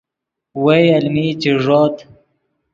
وئے المین چے ݱوت